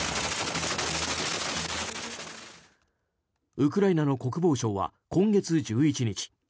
ウクライナの国防省は今月１１日